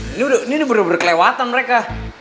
ini udah berkelewatan mereka